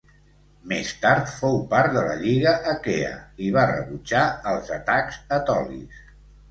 Més tard fou part de la Lliga Aquea i va rebutjar els atacs etolis.